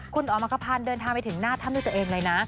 คุณอ๋อมักกภัณฑ์เดินทางไปถึงหน้าถ้ำด้วยตัวเองเลยนะ